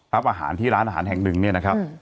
รับอาหารที่ร้านอาหารแห่งหนึ่งเนี่ยนะครับ